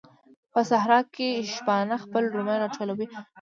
په صحراء کې شپانه خپل رمې راټولوي.